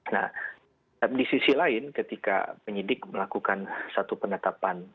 nah di sisi lain ketika penyidik melakukan satu penetapan